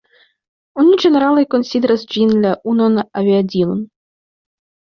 Oni ĝenerale konsideras ĝin la unuan aviadilon.